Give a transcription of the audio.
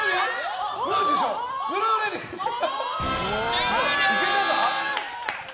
終了！